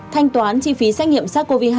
thanh toán chi phí trách nhiệm sars cov hai